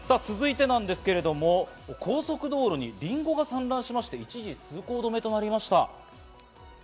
続いてですけれども高速道路にりんごが散乱しまして、一時通行止めとなりました。